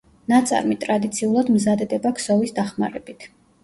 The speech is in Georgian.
ნაწარმი ტრადიციულად მზადდება ქსოვის დახმარებით.